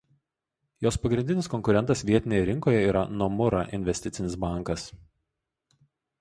Jos pagrindinis konkurentas vietinėje rinkoje yra „Nomura“ investicinis bankas.